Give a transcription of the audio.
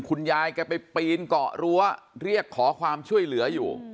คุณยายแกไปปีนเกาะรั้วเรียกขอความช่วยเหลืออยู่